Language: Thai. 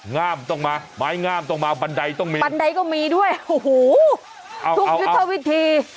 ง่ามต้องมาไม้งามต้องมาบันไดต้องมีบันไดก็มีด้วยโอ้โหทุกยุทธวิธี